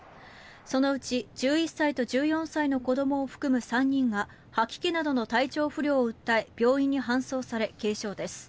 そのうち１１歳と１４歳の子どもを含む３人が吐き気などの体調不良を訴え病院に搬送され、軽症です。